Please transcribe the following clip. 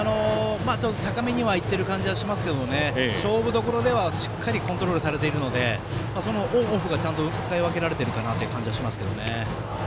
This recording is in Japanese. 高めに行っている感じはしますが勝負どころではしっかりコントロールされているのでオンオフがちゃんと使い分けられている感じがします。